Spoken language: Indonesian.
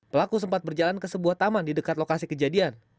pelaku sempat berjalan ke sebuah taman di dekat lokasi kejadian